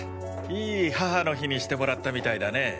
いい母の日にしてもらったみたいだね。